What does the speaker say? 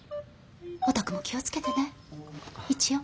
お宅も気を付けてね一応。